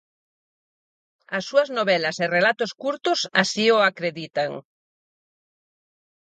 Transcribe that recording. As súas novelas e relatos curtos así o acreditan.